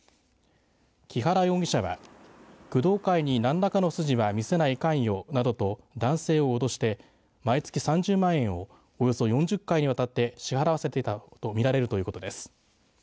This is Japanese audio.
木原容疑者は工藤会に何らかの筋は見せないかんよなどと、男性を脅して毎月３０万円をおよそ４０回にわたって支払わせていたと見られるということです。